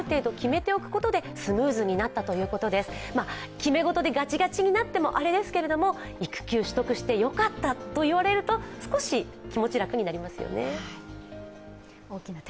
決めごとでがちがちになってもあれですけど育休取得してよかったといわれると少し気持ちが楽になりますよね。